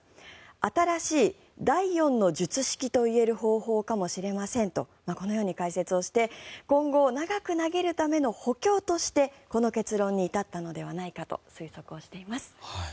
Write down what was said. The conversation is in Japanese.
新しい第４の術式といえる方法かもしれませんとこのように解説して今後、長く投げるための補強としてこの結論に行ったのではないかと推測しています。